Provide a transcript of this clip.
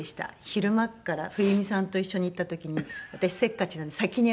昼間から冬美さんと一緒に行った時に私せっかちなんで先に入って。